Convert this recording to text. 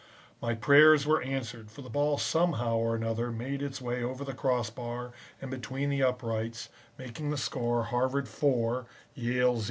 "My prayers were answered, for the ball somehow or other made its way over the crossbar and between the uprights, making the score, Harvard 4, Yale 0.